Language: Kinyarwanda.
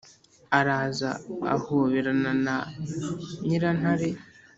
araza ahoberana na nyirantare,